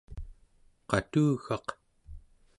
qatugaq